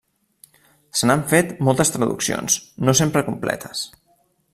Se n'han fet moltes traduccions, no sempre completes.